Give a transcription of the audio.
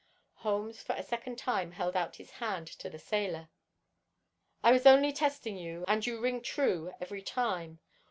Holmes for a second time held out his hand to the sailor. "I was only testing you, and you ring true every time.